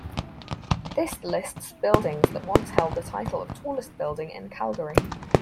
This lists buildings that once held the title of tallest building in Calgary.